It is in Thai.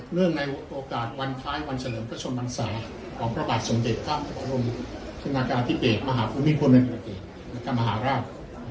เรื่องในโอกาสวันท้ายวันเสริมกระชนมันศาของพระบาทสมเด็จครับรวมที่นากาศิเบศมหาคุณพิมพลเมินอเกรกรรมหาราภ